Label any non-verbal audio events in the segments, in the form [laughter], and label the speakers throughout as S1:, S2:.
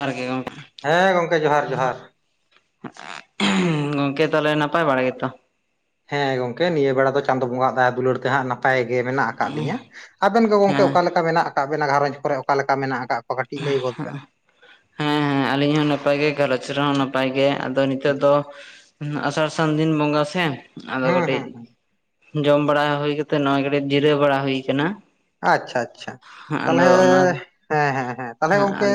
S1: ᱡᱚᱦᱟᱨ ᱜᱮ ᱜᱚᱝᱠᱮ,
S2: ᱦᱮᱸ ᱜᱚᱢᱠᱮ ᱡᱚᱦᱟᱨ ᱡᱚᱦᱟᱨ,
S1: ᱜᱚᱢᱠᱮ ᱛᱟᱦᱚᱞᱮ ᱱᱟᱯᱟᱭ ᱵᱟᱲᱟ ᱜᱮ ᱛᱚ?
S2: ᱦᱮᱸ ᱜᱚᱝᱠᱮ ᱱᱤᱭᱟᱹ ᱵᱮᱲᱟ ᱫᱚ ᱪᱟᱸᱫᱳ ᱵᱚᱸᱜᱟ ᱟᱜ ᱫᱟᱭᱟ ᱫᱩᱞᱟᱹᱲ ᱥᱮ ᱦᱟᱜ ᱱᱟᱯᱟᱭ ᱜᱮ ᱢᱮᱱᱟᱜ ᱟᱠᱟᱫ ᱞᱤᱧᱟ ᱟᱵᱮᱱ ᱜᱮ ᱜᱚᱝᱠᱮ ᱚᱠᱟ
S1: ᱦᱮᱸ
S2: ᱞᱮᱠᱟ ᱢᱮᱱᱟᱜ ᱟᱠᱟᱫ ᱟᱵᱮᱱᱟ ᱜᱷᱟᱨᱚᱸᱡᱽ ᱠᱚᱨᱮ ᱚᱠᱟ ᱞᱮᱠᱟ ᱢᱮᱱᱟᱜ ᱟᱠᱟᱫ ᱠᱚᱣᱟ ᱠᱟᱹᱴᱤᱡ ᱞᱟᱹᱭ ᱜᱚᱫ ᱵᱮᱱ?
S1: ᱦᱮᱸ, ᱦᱮᱸ, ᱟᱹᱞᱤᱧ ᱦᱚᱸ ᱱᱟᱯᱟᱭ ᱜᱮ ᱜᱷᱟᱨᱚᱪ ᱨᱮ ᱦᱚᱸ ᱱᱟᱯᱟᱭ ᱜᱮ᱾ ᱟᱫᱚ ᱱᱤᱛᱚᱜ ᱫᱚ ᱟᱥᱟᱲ ᱥᱟᱱ ᱫᱤᱱ ᱵᱚᱸᱜᱟ ᱥᱮ ᱟᱫᱚ
S2: ᱦᱩᱸ
S1: ᱠᱟᱹᱴᱤᱡ
S2: ᱦᱩᱸ ᱦᱩᱸ
S1: ᱡᱚᱢ ᱵᱟᱲᱟ ᱦᱩᱭ ᱠᱟᱛᱮᱜ ᱱᱚᱜᱼᱚᱭ ᱠᱟᱹᱴᱤᱡ ᱡᱤᱨᱟᱹ ᱵᱟᱲᱟ ᱦᱩᱭ ᱠᱟᱱᱟ᱾
S2: ᱟᱪᱪᱷᱟ, ᱟᱪᱪᱷᱟ, ᱛᱟᱦᱞᱮ
S1: ᱟᱫᱚ ᱚᱱᱟ
S2: ᱦᱮᱸ, ᱦᱮᱸ, ᱦᱮᱸ, ᱛᱟᱞᱦᱮ ᱜᱚᱝᱠᱮ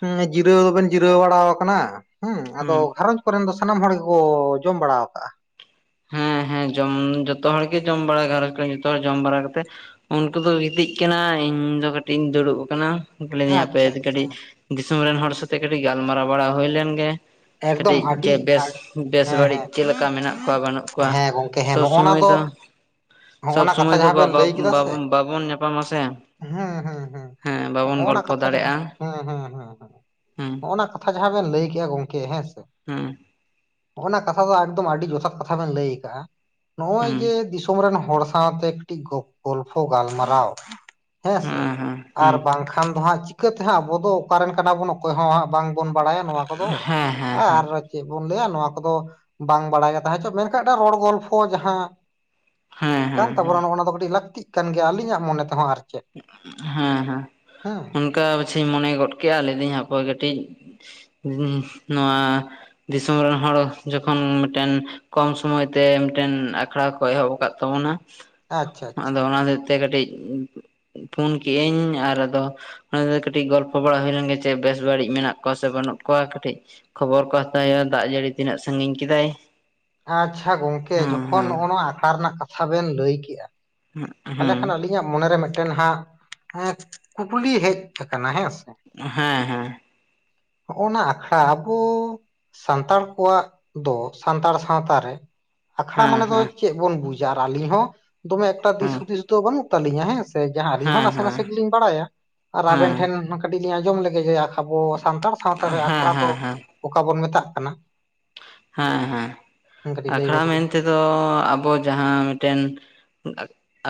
S2: ᱦᱩᱸ ᱡᱤᱨᱟᱹᱣ ᱫᱚᱵᱮᱱ ᱡᱤᱨᱟᱹᱣ ᱵᱟᱲᱟᱣ ᱟᱠᱟᱱᱟ ᱦᱮᱸ ᱟᱫᱚ ᱜᱷᱟᱨᱚᱸᱡᱽ ᱠᱚᱨᱮᱱ ᱫᱚ ᱥᱟᱱᱟᱢ ᱦᱚᱲ ᱜᱮ ᱠᱚ ᱡᱚᱢ ᱵᱟᱲᱟᱣ ᱟᱠᱟᱜᱼᱟ?
S1: ᱮᱸ ᱡᱚᱢ ᱡᱚᱛᱚ ᱦᱚᱲ ᱜᱮ ᱡᱚᱢ ᱵᱟᱲᱟ ᱜᱷᱟᱨᱚᱸᱡᱽ ᱠᱚᱨᱮ ᱡᱚᱛᱚ ᱦᱚᱲ ᱡᱚᱢ ᱵᱟᱲᱟ ᱠᱟᱛᱮ ᱩᱱᱠᱩ ᱫᱚ ᱜᱤᱛᱤᱡ ᱠᱟᱱᱟ ᱤᱧ ᱫᱚ ᱠᱟᱹᱴᱤᱡ ᱤᱧ ᱫᱩᱲᱩᱵ ᱠᱟᱱᱟ᱾ ᱞᱟᱹᱭ ᱫᱤᱧ ᱦᱟᱯᱮ
S2: ᱟᱪᱪᱷᱟ ᱟᱪᱪᱷᱟ
S1: ᱠᱟᱹᱴᱤᱡ ᱫᱤᱥᱚᱢ ᱨᱮᱱ ᱦᱚᱲ ᱥᱟᱛᱮ ᱠᱟᱹᱴᱤᱡ ᱜᱟᱞᱢᱟᱨᱟᱣ ᱵᱟᱲᱟ ᱦᱩᱭ ᱞᱮᱱ ᱜᱮ,
S2: ᱮᱠᱫᱚᱢ
S1: ᱠᱟᱹᱴᱤᱡ
S2: ᱟᱹᱰᱤ
S1: ᱪᱮ ᱵᱮᱥ,
S2: ᱟᱹᱰ
S1: ᱵᱮᱥ
S2: ᱦᱮᱸ
S1: ᱵᱟᱹᱲᱤᱡ
S2: ᱦᱮᱸ
S1: ᱪᱮᱫ ᱞᱮᱠᱟ ᱢᱮᱱᱟᱜ ᱠᱚᱣᱟ ᱵᱟᱹᱱᱩᱜ ᱠᱚᱣᱟ
S2: ᱦᱮᱸ ᱜᱚᱝᱠᱮ ᱦᱮᱸ
S1: ᱥᱚᱵ
S2: ᱱᱚᱜᱼᱚ ᱱᱟ
S1: ᱥᱚᱢᱚᱭ ᱫᱚ
S2: ᱱᱚᱜᱼᱚ
S1: ᱥᱚᱵ
S2: ᱱᱟ ᱠᱟᱛᱷᱟ
S1: ᱥᱚᱢᱚᱭ ᱫᱚ
S2: ᱡᱟᱦᱟᱸ
S1: ᱵᱟ
S2: ᱵᱮᱱ ᱞᱟᱹᱭ ᱠᱮᱫᱟ
S1: ᱵᱟ
S2: ᱥᱮ
S1: ᱵᱟᱵᱚᱱ ᱧᱟᱯᱟᱢ ᱟᱥᱮ
S2: ᱦᱮᱸ ᱦᱮᱸ
S1: ᱦᱮᱸ ᱵᱟᱵᱚᱱ
S2: ᱦᱚᱜᱼᱱᱟ
S1: ᱜᱚᱞᱯᱚ
S2: ᱠᱟᱛᱷᱟ ᱡᱟᱦᱟᱸ
S1: ᱫᱟᱲᱮᱜᱼᱟ᱾ ᱦᱩᱸ,
S2: ᱚᱱᱟ ᱠᱟᱛᱷᱟ ᱡᱟᱦᱟᱸ ᱵᱮᱱ ᱞᱟᱹᱭ ᱠᱮᱜᱼᱟ ᱜᱚᱝᱠᱮ ᱦᱮᱸ ᱥᱮ
S1: ᱦᱩᱸ,
S2: ᱚᱱᱟ ᱠᱟᱛᱷᱟ ᱫᱚ ᱟᱠᱫᱚᱢ ᱟᱹᱰᱤ ᱡᱚᱛᱷᱟᱛ ᱠᱟᱛᱷᱟ ᱵᱮᱱ ᱞᱟᱹᱭ ᱟᱠᱟᱜᱼᱟ᱾ ᱱᱚᱜᱼᱚᱭ
S1: ᱦᱮᱸ
S2: ᱡᱮ ᱫᱤ- ᱥᱚᱢ ᱨᱮᱱ ᱦᱚᱲ ᱥᱟᱶᱛᱮ ᱠᱟᱹᱴᱤᱡ ᱜᱚ ᱜᱚᱞᱯᱷᱚ ᱜᱟᱞᱢᱟᱨᱟᱣ, ᱦᱮᱸ ᱥᱮ, ᱟᱨ ᱵᱟᱝ ᱠᱷᱟᱱ ᱫᱚ ᱦᱟᱸᱜ ᱪᱤᱠᱟᱹ ᱛᱮ ᱦᱟᱸᱜ ᱟᱵᱚ ᱫᱚ ᱚᱠᱟ ᱨᱮᱱ ᱠᱟᱱᱟ ᱵᱚᱱ ᱚᱠᱚᱭ ᱦᱚᱸ ᱦᱟᱸᱜ ᱵᱟᱝ ᱵᱚᱱ ᱵᱟᱲᱟᱭᱟ ᱱᱚᱣᱟ ᱠᱚᱫᱚ,
S1: ᱦᱮᱸ ᱦᱮᱸ
S2: ᱟᱨ ᱪᱮᱫ ᱵᱚᱱ ᱞᱟᱹᱭᱟ ᱱᱚᱣᱟ ᱠᱚᱫᱚ ᱵᱟᱝ ᱵᱟᱲᱟᱭ ᱜᱮ ᱛᱟᱦᱮᱸ ᱦᱚᱪᱚ ᱢᱮᱱ ᱠᱷᱟᱱ ᱢᱮᱫ ᱴᱟᱜ ᱨᱚᱲ ᱜᱚᱞᱯᱷᱚ ᱡᱟᱦᱟᱸ
S1: ᱦᱮᱸ
S2: ᱠᱟᱱ
S1: ᱦᱮᱸ ᱦᱮᱸ
S2: ᱛᱟᱵᱚᱱᱟ ᱱᱚᱜᱼᱱᱟ ᱫᱚ ᱠᱟᱹᱴᱤᱡ ᱞᱟᱹᱠᱛᱤᱜ ᱠᱟᱱ ᱜᱮᱭᱟ ᱟᱞᱤᱧᱟᱜ ᱢᱚᱱᱮ ᱛᱮᱦᱚᱸ ᱟᱨᱠᱤ᱾
S1: ᱦᱮᱸ, ᱦᱮᱸ, ᱚᱱᱠᱟ ᱯᱟᱪᱷᱮᱧ ᱢᱚᱱᱮ ᱜᱚᱫ ᱠᱮᱜᱼᱟ ᱞᱟᱹᱭ ᱫᱟᱹᱧ ᱦᱟᱯᱩᱭ ᱠᱟᱹᱴᱤᱡ ᱦᱩᱸ ᱱᱚᱣᱟ ᱫᱤᱥᱚᱢ ᱨᱮᱱ ᱦᱚᱲ ᱡᱚᱠᱷᱚᱱ ᱢᱤᱫᱴᱮᱱ ᱠᱚᱢ ᱥᱚᱢᱚᱭ ᱛᱮ ᱢᱤᱫᱴᱮᱱ ᱟᱠᱷᱲᱟ ᱠᱚ ᱮᱦᱚᱵ ᱟᱠᱟᱫ ᱛᱟᱵᱚᱱᱟ᱾
S2: ᱟᱪᱪᱷᱟ
S1: ᱟᱫᱚ
S2: ᱟᱪᱪᱷᱟ
S1: ᱚᱱᱟ ᱦᱚᱛᱮ ᱛᱮ ᱠᱟᱹᱴᱤᱡ ᱯᱷᱩᱱ ᱠᱮᱜ ᱟᱹᱧ ᱟᱨ ᱟᱫᱚ ᱚᱱᱟ ᱜᱮ ᱠᱟᱹᱴᱤᱡ ᱜᱚᱞᱯᱚ ᱵᱟᱲᱟ ᱦᱩᱭ ᱞᱮᱱ ᱜᱮ ᱪᱮᱫ ᱵᱮᱥ ᱵᱟᱹᱲᱤᱡ ᱢᱮᱱᱟᱜ ᱠᱚᱣᱟ ᱥᱮ ᱵᱟᱹᱱᱩᱜ ᱠᱚᱣᱟ ᱠᱟᱹᱴᱤᱡ ᱠᱷᱚᱵᱚᱨ ᱠᱚ ᱦᱟᱛᱟᱣ ᱦᱩᱭᱩᱜᱼᱟ ᱫᱟᱜ ᱡᱟᱹᱲᱤ ᱛᱤᱱᱟᱹᱜ ᱥᱟᱺᱜᱤᱧ ᱠᱤᱫᱟᱭ᱾
S2: ᱟᱪᱪᱷᱟ ᱜᱚᱝᱠᱮ ᱡᱚᱠᱷᱚᱱ ᱱᱚᱼᱱᱚᱣᱟ ᱟᱠᱷᱲᱟ ᱨᱮᱱᱟᱜ ᱠᱟᱛᱷᱟ ᱵᱮᱱ ᱞᱟᱹᱭ ᱠᱮᱜᱼᱟ
S1: [unintelligible]
S2: ᱛᱟᱦᱚᱞᱮ ᱠᱷᱟᱱ ᱟᱹᱞᱤᱧᱟᱜ ᱢᱚᱱᱮ ᱨᱮ ᱢᱤᱫᱴᱮᱱ ᱦᱟᱸᱜ ᱮ ᱠᱩᱠᱞᱤ ᱦᱮᱡ ᱟᱠᱟᱱᱟ ᱦᱮᱸ ᱥᱮ ᱾
S1: ᱦᱮᱸ ᱦᱮᱸ ᱾
S2: ᱦᱚᱜᱚ-ᱱᱟ ᱟᱠᱷᱲᱟ ᱟᱵᱚ ᱥᱟᱱᱛᱟᱲ ᱠᱚᱣᱟᱜ ᱫᱚ ᱥᱟᱱᱛᱟᱲ ᱥᱟᱶᱛᱟ ᱨᱮ ᱟᱠᱷᱲᱟ ᱢᱟᱱᱮ ᱫᱚ
S1: ᱦᱮᱸ
S2: ᱪᱮᱫ ᱵᱚᱱ ᱵᱩᱡᱟ ᱟᱨ ᱟᱹᱞᱤᱧ ᱦᱚᱸ ᱫᱚᱢᱮ ᱮᱠᱴᱟ ᱫᱤᱥ
S1: ᱦᱮᱸ
S2: ᱦᱩᱫᱤᱥ ᱫᱚ ᱵᱟᱹᱱᱩᱜ ᱛᱟᱹᱞᱤᱧᱟ ᱦᱮᱸ ᱥᱮ? ᱡᱟᱦᱟᱸ ᱟᱹᱞᱤᱧ
S1: ᱦᱮᱸ
S2: ᱦᱚᱸ ᱱᱟᱥᱮ
S1: ᱦᱮᱸ
S2: ᱱᱟᱥᱮ ᱜᱮᱞᱤᱧ ᱵᱟᱲᱟᱭᱟ ᱟᱨ ᱟᱵᱮᱱ
S1: ᱦᱮᱸ
S2: ᱴᱷᱮᱱ ᱠᱟᱹᱴᱤᱡ ᱞᱤᱧ ᱟᱸᱡᱚᱢ ᱞᱮᱜᱮ ᱡᱮ ᱟᱵᱚ ᱥᱟᱱᱛᱟᱲ ᱥᱟᱶᱛᱟ
S1: ᱦᱮᱸ
S2: ᱨᱮ ᱟᱠᱷᱲᱟ
S1: ᱦᱮᱸ
S2: ᱫᱚ
S1: ᱦᱮᱸ ᱦᱮᱸ
S2: ᱚᱠᱟ ᱵᱚᱱ ᱢᱮᱛᱟᱜ ᱠᱟᱱᱟ?
S1: ᱦᱮᱸ ᱦᱮᱸ
S2: ᱠᱟᱹᱴᱤᱡ ᱞᱟᱹᱭ
S1: ᱟᱠᱷᱲᱟ
S2: ᱵᱮᱱ ᱢᱟ
S1: ᱢᱮᱱᱛᱮ ᱫᱚ ᱟᱵᱚ ᱡᱟᱦᱟᱸ ᱢᱤᱫᱴᱮᱱ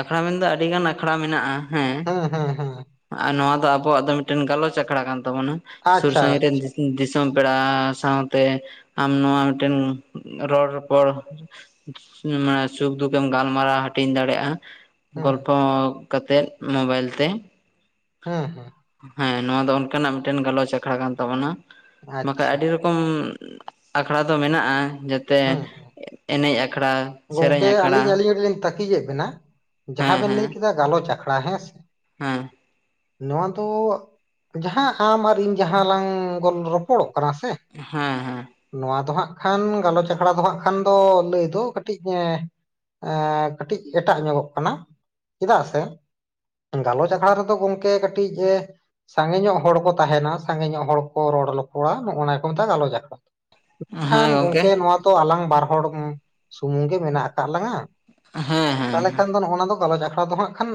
S1: ᱟᱠᱷᱲᱟ ᱢᱮᱱᱫᱚ ᱟᱹᱰᱤ ᱜᱟᱱ ᱟᱠᱷᱲᱟ ᱢᱮᱱᱟᱜᱼᱟ ᱾ ᱦᱮᱸ
S2: ᱦᱩᱸ ᱦᱩᱸ ᱦᱩᱸ
S1: ᱟᱨ ᱱᱚᱣᱟ ᱫᱚ ᱟᱵᱚᱣᱟᱜ ᱫᱚ ᱢᱤᱫᱴᱮᱱ ᱜᱟᱞᱚᱪ ᱟᱠᱷᱲᱟ ᱠᱟᱱ ᱛᱟᱵᱚᱱᱟ᱾ ᱥᱩᱨ
S2: ᱟᱪᱪᱷᱟ
S1: ᱥᱟᱺᱜᱤᱧ ᱨᱮᱱ
S2: ᱟᱪᱪᱷᱟ
S1: ᱫᱤᱥᱚᱢ ᱯᱮᱲᱟ ᱥᱟᱶᱛᱮ ᱟᱢ ᱱᱚᱣᱟ ᱢᱤᱫᱴᱮᱱ ᱨᱚᱲ ᱨᱚᱯᱚᱲ ᱢᱟᱱᱮ ᱥᱩᱠ-ᱫᱩᱠᱮᱢ ᱜᱟᱞᱢᱟᱨᱟᱣ ᱦᱟᱹᱴᱤᱧ ᱫᱟᱲᱮᱭᱟᱜ-ᱟ ᱾
S2: ᱦᱩᱸ
S1: ᱜᱚᱞᱯᱷᱚ ᱠᱟᱛᱮᱫ ᱢᱳᱵᱟᱭᱤᱞ ᱛᱮ᱾
S2: ᱦᱮᱸ ᱦᱮᱸ ᱾
S1: ᱦᱮᱸ ᱱᱚᱶᱟ ᱫᱚ ᱚᱱᱠᱟᱱᱟᱜ ᱢᱤᱫᱴᱮᱱ ᱜᱟᱞᱚᱪ ᱟᱠᱷᱲᱟ ᱠᱟᱱ ᱛᱟᱵᱚᱱᱟ ᱵᱟᱠᱷᱟᱡ
S2: ᱟᱪᱪᱷᱟ
S1: ᱟᱹᱰᱤ ᱨᱚᱠᱚᱢ ᱟᱠᱷᱲᱟ ᱫᱚ ᱢᱮᱱᱟᱜ-ᱟ ᱡᱟᱛᱮ
S2: ᱦᱮᱸ
S1: ᱮᱱᱮᱡ ᱟᱠᱷᱲᱟ ᱾
S2: ᱜᱚᱝᱠᱮ ᱟᱹᱞᱤᱧ ᱟᱹᱞᱤᱧ ᱠᱟᱹᱴᱤᱡ ᱞᱤᱧ ᱛᱟᱹᱠᱤᱡᱮᱫ ᱵᱮᱱᱟ ᱡᱟᱦᱟᱸ
S1: ᱦᱮᱸ
S2: ᱵᱮᱱ ᱞᱟᱹᱭ
S1: ᱦᱮᱸ
S2: ᱠᱮᱫᱟ ᱜᱟᱞᱚᱪ ᱟᱠᱷᱲᱟ ᱦᱮᱸᱥᱮ?
S1: ᱦᱮᱸ ᱾
S2: ᱱᱚᱣᱟ ᱫᱚ ᱡᱟᱦᱟᱸ ᱟᱢ ᱟᱨ ᱤᱧ ᱡᱟᱦᱟᱸ ᱞᱟᱝ ᱜᱚᱞ ᱨᱚᱯᱚᱲᱚᱜ ᱠᱟᱱᱟ ᱥᱮ
S1: ᱦᱮᱸ ᱦᱮᱸ ᱾
S2: ᱱᱚᱣᱟ ᱫᱚ ᱦᱟᱸᱜ ᱠᱷᱟᱱ ᱜᱟᱞᱚᱪ ᱟᱠᱷᱲᱟ ᱫᱚ ᱦᱟᱸᱜ ᱠᱷᱟᱱ ᱫᱚ ᱞᱟᱹᱭ ᱫᱚ ᱠᱟᱹᱴ ᱠᱟᱹᱴᱤᱡ ᱠᱟᱹᱴᱤᱡ ᱮᱴᱟᱜ ᱧᱚᱜᱚᱜ ᱠᱟᱱᱟ ᱪᱮᱫᱟᱜ ᱥᱮ ᱜᱟᱞᱚᱪ ᱟᱠᱷᱲᱟ ᱨᱮᱫᱚ ᱜᱚᱝᱠᱮ ᱠᱟᱹᱴᱤᱡ ᱥᱟᱸᱜᱮ ᱧᱚᱜ ᱦᱚᱲ ᱠᱚ ᱛᱟᱦᱮᱱᱟ ᱥᱟᱸᱜᱮ ᱧᱚᱜ ᱦᱚᱲ ᱠᱚ ᱨᱚᱲ ᱨᱚᱯᱚᱲᱟ ᱱᱚᱜᱚᱼᱱᱟ ᱠᱚ ᱢᱮᱛᱟᱜᱼᱟ ᱜᱟᱞᱚᱪ ᱟᱠᱷᱲᱟ᱾ ᱢᱮᱱᱠᱷᱟᱱ ᱜᱚᱝᱠᱮ ᱱᱚᱣᱟ ᱫᱚ ᱟᱞᱟᱝ ᱵᱟᱨ ᱦᱚᱲ ᱥᱩᱢᱩᱝ ᱜᱮ ᱢᱮᱱᱟᱜ ᱟᱠᱟᱫ ᱞᱟᱝᱟ
S1: ᱦᱮᱸ
S2: ᱾
S1: ᱦᱮᱸ
S2: ᱛᱟᱦᱚᱞᱮ
S1: ᱦᱮᱸ
S2: ᱠᱷᱟᱱ ᱫᱚ ᱱᱚᱜᱼᱱᱚᱣᱟ ᱫᱚ ᱜᱟᱞᱚᱪ ᱟᱠᱷᱲᱟ ᱫᱚ ᱦᱟᱸᱜ ᱠᱷᱟᱱ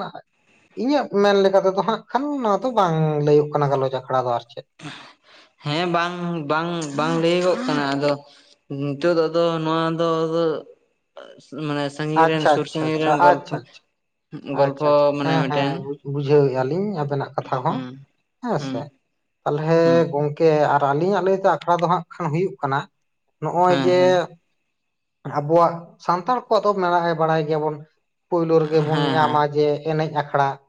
S2: ᱤᱧᱟᱹᱜ ᱢᱮᱱ ᱞᱮᱠᱟ ᱛᱮᱫᱚ ᱦᱟᱸᱜ ᱠᱷᱟᱱ ᱱᱚᱣᱟ ᱫᱚ ᱵᱟᱝ ᱞᱟᱹᱭᱚᱜ ᱠᱟᱱᱟ ᱜᱟᱞᱚᱪ ᱟᱠᱷᱲᱟ ᱫᱚ ᱟᱨ ᱪᱮᱫ᱾
S1: ᱦᱮᱸ ᱵᱟᱝ ᱵᱟᱝ ᱵᱟᱝ ᱞᱟᱹᱭᱚᱜᱚᱜ ᱠᱟᱱᱟ ᱟᱫᱚ ᱱᱤᱛᱳᱜ ᱫᱚ ᱟᱫᱚ ᱱᱚᱣᱟ ᱫᱚ ᱟᱫᱚ ᱢᱟᱱᱮ ᱥᱟᱺᱜᱤᱧ ᱨᱮᱱ
S2: ᱟᱪᱪᱷᱟ
S1: ᱥᱩᱨ
S2: ᱟᱪᱪᱷᱟ
S1: ᱥᱟᱺᱜᱤᱧ
S2: ᱟᱪᱪᱷᱟ
S1: ᱨᱮᱱ ᱜᱚᱞᱯᱚ
S2: ᱟᱪᱪᱷᱟ ᱟᱪᱪᱷᱟ
S1: ᱜᱚᱞᱯᱚ ᱢᱟᱱᱮ ᱢᱤᱫᱴᱮᱱ
S2: ᱵᱩᱡᱷᱟᱹᱣᱮᱜᱟ ᱞᱤᱧ ᱟᱵᱮᱱᱟᱜ ᱠᱟᱛᱷᱟ ᱦᱚᱸ
S1: ᱦᱩᱸ ᱦᱩᱸ
S2: ᱦᱮᱸᱥᱮ ᱛᱟᱦᱚᱞᱮ
S1: ᱦᱩᱸ
S2: ᱜᱚᱝ ᱠᱮ ᱟᱨ ᱟᱹᱞᱤᱧᱟᱜ ᱞᱟᱹᱭ ᱛᱮ ᱟᱠᱷᱲᱟ ᱫᱚ ᱦᱟᱸᱜ ᱠᱷᱟᱱ ᱦᱩᱭᱩᱜ ᱠᱟᱱᱟ ᱱᱚᱜᱚᱭ
S1: ᱦᱮᱸ
S2: ᱡᱮ
S1: ᱦᱮᱸ
S2: ᱟᱵᱚᱣᱟᱜ ᱥᱟᱱᱛᱟᱲ ᱠᱚᱣᱟᱜ ᱫᱚ ᱵᱟᱲᱟᱭ ᱜᱮᱭᱟᱵᱚᱱ ᱯᱳᱭᱞᱳ ᱨᱮᱜᱮ ᱵᱚᱱ
S1: ᱦᱮᱸ ᱦᱮᱸ
S2: ᱧᱟᱢᱟ ᱡᱮ ᱮᱱᱮᱡ ᱟᱠᱷᱲᱟ ᱾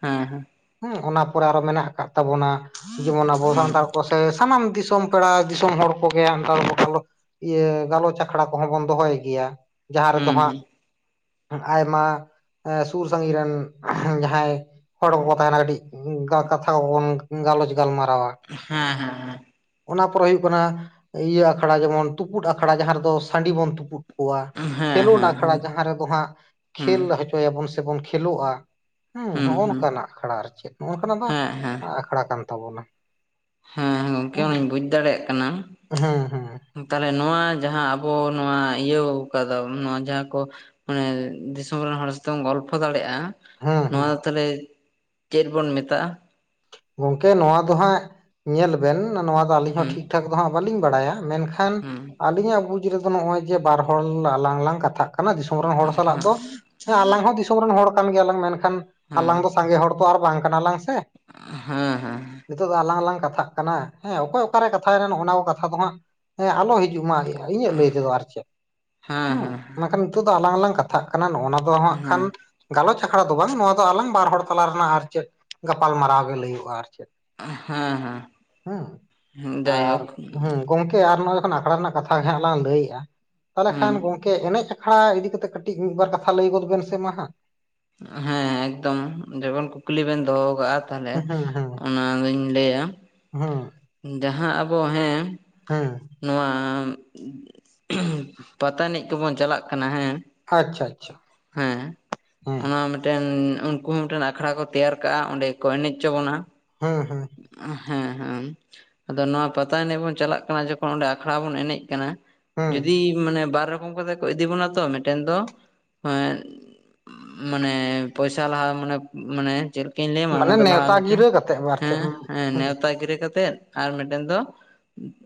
S1: ᱦᱮᱸ ᱦᱮᱸ ᱾
S2: ᱦᱮᱸ ᱚᱱᱟ ᱯᱚᱨᱮ ᱟᱨᱚ ᱢᱮᱱᱟᱜ ᱟᱠᱟᱫ ᱛᱟᱵᱚᱱᱟ ᱡᱮᱢᱚᱱ ᱟᱵᱚ
S1: ᱦᱩᱸ
S2: ᱥᱟᱱᱛᱟᱲ ᱠᱚᱥᱮ ᱥᱟᱱᱟᱢ ᱫᱤᱥᱚᱢ ᱯᱮᱲᱟ ᱫᱤᱥᱚᱢ ᱦᱚᱲ ᱠᱚᱜᱮ ᱚᱱᱠᱟ ᱤᱭᱟᱹ ᱜᱟᱞᱚᱪ ᱟᱠᱷᱲᱟ ᱠᱚᱦᱚᱸ ᱵᱚᱱ ᱫᱚᱦᱚᱭ ᱜᱮᱭᱟ᱾ ᱡᱟᱦᱟᱸ ᱨᱮᱫᱚ
S1: ᱦᱩᱸ ᱦᱩᱸ
S2: ᱦᱟᱸᱜ ᱟᱭᱢᱟ ᱥᱩᱨ ᱥᱟᱺᱜᱤᱧ ᱨᱮᱱ ᱡᱟᱦᱟᱸᱭ ᱦᱚᱲ ᱠᱚᱵᱚ ᱛᱟᱦᱮᱱᱟ ᱠᱟᱹᱴᱤᱡ ᱠᱟᱛᱷᱟ ᱠᱚᱵᱚᱱ ᱜᱟᱞᱚᱪ ᱜᱟᱞᱢᱟᱨᱟᱣᱟ᱾
S1: ᱦᱮᱸ ᱦᱮᱸ ᱦᱮᱸ ᱾
S2: ᱚᱱᱟ ᱯᱚᱨᱮ ᱦᱩᱭᱩᱜ ᱠᱟᱱᱟ ᱤᱭᱟᱹ ᱟᱠᱷᱲᱟ ᱡᱮᱢᱚᱱ ᱛᱩᱯᱩᱫ ᱟᱠᱷᱲᱟ ᱡᱟᱦᱟᱸ ᱨᱮᱫᱚ ᱥᱟᱺᱰᱤ ᱵᱚᱱ ᱛᱩᱯᱩᱫ ᱠᱚᱣᱟ
S1: ᱦᱮᱸ ᱦᱮᱸ
S2: ᱠᱷᱮᱞᱳᱰ
S1: ᱦᱮᱸ
S2: ᱟᱠᱷᱲᱟ
S1: ᱦᱮᱸ
S2: ᱡᱟᱦᱟᱸ ᱨᱮᱫᱚ ᱦᱟᱸᱜ
S1: ᱦᱩᱸ
S2: ᱠᱷᱮᱞ ᱦᱚᱪᱚᱭᱟᱵᱚᱱ ᱥᱮᱵᱚᱱ ᱠᱷᱮᱞᱳᱜ-ᱟ ᱾ ᱦᱮᱸ
S1: ᱦᱩᱸ
S2: ᱱᱚᱜᱼᱚ
S1: ᱦᱩᱸ
S2: ᱱᱚᱝᱠᱟᱱᱟᱜ ᱟᱠᱷᱲᱟ ᱟᱨ ᱪᱮᱫ ᱱᱚᱜᱼ ᱱᱚᱝᱠᱟᱱᱟᱜ ᱫᱚ
S1: ᱦᱮᱸ ᱦᱮᱸ
S2: ᱟᱠᱷᱲᱟ ᱠᱟᱱ ᱛᱟᱵᱚᱱᱟ᱾
S1: ᱦᱮᱸ ᱜᱚᱢᱠᱮ
S2: ᱦᱮᱸ
S1: ᱚᱱᱟᱧ ᱵᱩᱡᱽ ᱫᱟᱲᱮᱭᱟᱜ ᱠᱟᱱᱟ᱾
S2: ᱦᱮᱸ ᱦᱮᱸ
S1: ᱛᱟᱦᱚᱞᱮ ᱱᱚᱣᱟ ᱡᱟᱦᱟᱸ ᱟᱵᱚ ᱱᱚᱣᱟ ᱤᱭᱟᱹ ᱠᱟᱫᱟ ᱱᱚᱣᱟ ᱡᱟᱦᱟᱸ ᱠᱚ ᱢᱟᱱᱮ ᱫᱤᱥᱚᱢ ᱨᱮᱱ ᱦᱚᱲ ᱥᱟᱛᱮᱢ ᱜᱚᱞᱯᱷᱚ ᱫᱟᱲᱮᱭᱟᱜᱼᱟ
S2: ᱦᱩᱸ
S1: ᱱᱚᱣᱟ ᱫᱚ ᱛᱟᱦᱚᱞᱮ ᱪᱮᱫ ᱵᱚᱱ ᱢᱮᱛᱟᱜᱼᱟ?
S2: ᱜᱚᱝᱠᱮ ᱱᱚᱣᱟ ᱫᱚ ᱦᱟᱸᱜ ᱧᱮᱞ ᱵᱮᱱ ᱱᱚᱣᱟ ᱫᱚ ᱟᱹᱞᱤᱧ ᱦᱚᱸ
S1: ᱦᱮᱸ
S2: ᱴᱷᱤᱠ ᱴᱷᱟᱠ ᱫᱚ ᱦᱟᱸᱜ ᱵᱟᱹᱞᱤᱧ ᱵᱟᱲᱟᱭᱟ, ᱢᱮᱱᱠᱷᱟᱱ
S1: ᱦᱮᱸ
S2: ᱟᱹᱞᱤᱧᱟᱜ ᱵᱩᱡᱽ ᱨᱮᱫᱚ ᱱᱚᱜᱼᱚᱭ ᱡᱮ ᱵᱟᱨ ᱦᱚᱲ ᱟᱞᱟᱝ ᱞᱟᱝ ᱠᱟᱛᱷᱟᱜ ᱠᱟᱱᱟ ᱫᱤᱥᱚᱢ ᱨᱮᱱ ᱦᱚᱲ ᱥᱟᱞᱟᱜ ᱫᱚᱸ ᱟᱞᱟᱝ ᱦᱚᱸ ᱫᱤᱥᱚᱢ ᱨᱮᱱ ᱦᱚᱲ ᱠᱟᱱ ᱜᱮᱭᱟᱞᱟᱝ ᱢᱮᱱᱠᱷᱟᱱ ᱠᱷᱟᱱ
S1: ᱦᱮᱸ
S2: ᱟᱞᱟᱝ ᱫᱚ ᱥᱟᱸᱜᱮ ᱦᱚᱲ ᱫᱚ ᱟᱨ ᱵᱟᱝ ᱠᱟᱱᱟ ᱞᱟᱝ ᱥᱮ,
S1: ᱦᱮᱸ ᱦᱮᱸ
S2: ᱱᱤᱛᱚᱜ ᱫᱚ ᱟᱞᱟᱝ ᱞᱟᱝ ᱠᱟᱛᱷᱟᱜ ᱠᱟᱱᱟ ᱦᱮᱸ ᱚᱠᱚᱭ ᱚᱠᱟᱨᱮ ᱠᱟᱛᱷᱟᱭᱮ ᱱᱚᱜ ᱚᱱᱟ ᱠᱚ ᱠᱟᱛᱷᱟ ᱫᱚ ᱦᱟᱸᱜ ᱦᱮᱸ ᱟᱞᱚ ᱦᱤᱡᱩᱜ ᱢᱟ, ᱤᱧᱟᱹᱜ ᱞᱟᱹᱭ ᱛᱮᱫᱚ ᱟᱨ ᱪᱮᱫ
S1: ᱦᱮᱸ
S2: ᱦᱩᱸ
S1: ᱦᱮᱸ
S2: ᱢᱮᱱᱠᱷᱟᱱ ᱱᱤᱛᱚᱜ ᱫᱚ ᱟᱞᱟᱝ ᱟᱞᱟᱝ ᱠᱟ ᱠᱟᱛᱷᱟᱜ ᱠᱟᱱᱟ᱾ᱱᱚᱜ-ᱱᱟᱣᱟ ᱫᱚ ᱦᱟᱸᱜ ᱠᱷᱟᱱ
S1: ᱦᱮᱸ
S2: ᱜᱟᱞᱚᱪ ᱟᱠᱷᱲᱟ ᱫᱚ ᱵᱟᱝ ᱱᱚᱣᱟ ᱫᱚ ᱟᱞᱟᱝ ᱵᱟᱨ ᱦᱚᱲ ᱛᱟᱞᱟ ᱨᱮᱱᱟᱜ ᱟᱨ ᱪᱮᱫ ᱜᱟᱯᱟᱞ ᱢᱟᱨᱟᱣ ᱜᱮ ᱞᱟᱹᱭᱚᱜ-ᱟ ᱟᱨ ᱪᱮᱫ᱾
S1: ᱦᱮᱸ ᱦᱮᱸ
S2: ᱦᱩᱸ ᱟᱨ
S1: ᱡᱟᱭᱦᱳᱠ
S2: ᱦᱩᱸ ᱜᱚᱝᱠᱮ ᱟᱨ ᱱᱚᱣᱟ ᱡᱚᱠᱷᱚᱱ ᱟᱠᱷᱲᱟ ᱨᱮᱱᱟᱜ ᱠᱟᱛᱷᱟ ᱜᱮ ᱦᱟᱸᱜ ᱞᱟᱝ ᱞᱟᱹᱭᱮᱜᱼᱟ ᱛᱟᱦᱚᱞᱮ
S1: ᱦᱮᱸ
S2: ᱠᱷᱟᱱ, ᱜᱚᱝ ᱠᱮ ᱮᱱᱮᱡ ᱟᱠᱷᱲᱟ ᱤᱫᱤ ᱠᱟᱛᱮ ᱠᱟᱹᱴᱤᱡ ᱢᱤᱫ-ᱵᱟᱨ ᱠᱟᱛᱷᱟ ᱞᱟᱹᱭ ᱜᱚᱫ ᱵᱮᱱ ᱥᱮ ᱢᱟ ᱦᱟᱸᱜ?
S1: ᱦᱮᱸ ᱮᱠᱫᱚᱢ ᱡᱮᱢᱚᱱ ᱠᱩᱠᱞᱤ ᱵᱮᱱ ᱫᱚᱦᱚ ᱟᱠᱟᱫᱼᱟ, ᱛᱟᱦᱚᱞᱮ ᱚᱱᱟᱫᱚᱧ ᱞᱟᱹᱭᱟ᱾
S2: ᱦᱩᱸ
S1: ᱡᱟᱦᱟᱸ ᱟᱵᱚ ᱦᱮᱸ
S2: ᱦᱩᱸ
S1: ᱱᱚᱣᱟ ᱯᱟᱛᱟ ᱮᱱᱮᱡ ᱠᱚ ᱵᱚᱱ ᱪᱟᱞᱟᱜ ᱠᱟᱱᱟ ᱦᱮᱸ
S2: ᱟᱪᱪᱷᱟ ᱟᱪᱪᱷᱟ,
S1: ᱦᱮᱸ
S2: ᱦᱮᱸ
S1: ᱚᱱᱟ ᱢᱮᱫ ᱴᱮᱱ ᱩᱱᱠᱩ ᱦᱚᱸ ᱢᱤᱫᱴᱮᱱ ᱟᱠᱷᱲᱟ ᱠᱚ ᱛᱮᱭᱟᱨ ᱠᱟᱜᱼᱟ ᱚᱸᱰᱮ ᱠᱚ ᱮᱱᱮᱡ ᱪᱚ ᱵᱚᱱᱟ᱾
S2: ᱦᱩᱸ ᱦᱩᱸ
S1: ᱦᱮᱸ [unintelligible] ᱟᱫᱚ ᱱᱚᱣᱟ ᱯᱟᱛᱟ ᱮᱱᱮᱡ ᱵᱚᱱ ᱪᱟᱞᱟᱜ ᱠᱟᱱᱟ ᱡᱚᱠᱷᱚᱱ ᱚᱸᱰᱮ ᱟᱠᱷᱲᱟ ᱵᱚᱱ ᱮᱱᱮᱡ ᱠᱟᱱᱟ,
S2: ᱦᱮᱸ
S1: ᱡᱩᱫᱤ ᱢᱟᱱᱮ ᱵᱟᱨ ᱨᱚᱠᱚᱢ ᱠᱟᱛᱮ ᱠᱚ ᱤᱫᱤ ᱵᱚᱱᱟ ᱛᱚ ᱢᱤᱫᱴᱮᱱ ᱫᱚ ᱮ ᱢᱟᱱᱮ ᱯᱚᱭᱥᱟ ᱞᱟᱦᱟ ᱢᱟᱱᱮ ᱢᱟᱱᱮ ᱪᱮᱫ ᱞᱮᱠᱟᱧ ᱞᱟᱹᱭ ᱟᱢᱟ
S2: ᱢᱟᱱᱮ
S1: ᱚᱱᱟ ᱫᱚ ᱞᱟᱦᱟ
S2: ᱱᱮᱣᱛᱟ
S1: ᱢᱤᱫᱴᱮᱱ
S2: ᱜᱤᱨᱟᱹ ᱠᱟᱛᱮᱜ ᱟᱨ
S1: ᱦᱮᱸ
S2: ᱪᱮᱫ
S1: ᱦᱮᱸ ᱱᱮᱸᱣᱛᱟ ᱜᱤᱨᱟᱹ ᱠᱟᱛᱮᱫ ᱟᱨ ᱢᱤᱫᱴᱮᱱ ᱫᱚ